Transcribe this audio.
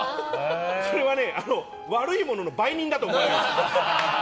それは悪いものの売人だと思われるんです。